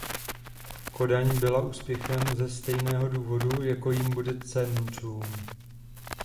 Kodaň byla neúspěchem ze stejného důvodu, jako jím bude Cancún.